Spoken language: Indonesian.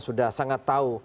sudah sangat tahu